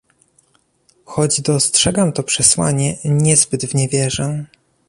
Choć dostrzegam to przesłanie, niezbyt w nie wierzę